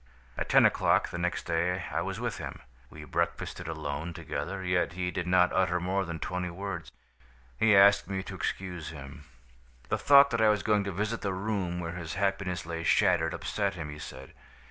"At ten o'clock the next day I was with him. We breakfasted alone together, yet he did not utter more than twenty words. He asked me to excuse him. The thought that I was going to visit the room where his happiness lay shattered, upset him, he said.